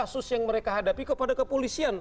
dan kasus kasus yang mereka hadapi kepada kepolisian